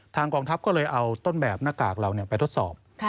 กองทัพก็เลยเอาต้นแบบหน้ากากเราไปทดสอบ